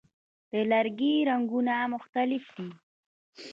د لرګي رنګونه مختلف دي.